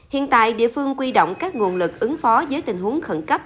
hiện tại địa phương quy động các nguồn lực ứng phó với tình huống khẩn cấp